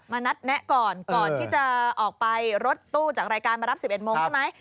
นัดแนะก่อนก่อนที่จะออกไปรถตู้จากรายการมารับ๑๑โมงใช่ไหม